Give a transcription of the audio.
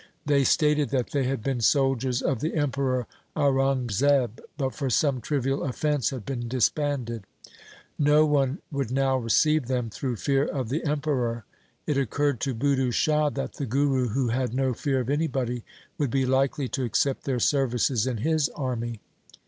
They stated that they had been soldiers of the Emperor Aurang zeb, but for some trivial offence had been disbanded. No one would now receive them through fear of the Emperor. It occurred to Budhu Shah that the Guru, who had no fear of anybody, would be likely to accept their services in his army.